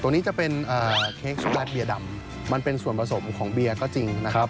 ตัวนี้จะเป็นเค้กสุรัตเบียร์ดำมันเป็นส่วนผสมของเบียร์ก็จริงนะครับ